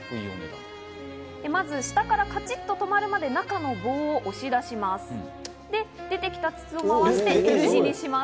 まず下からカチッと止まるまで中の棒を押し出します。